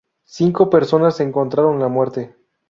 Cinco personas encontraron la muerte.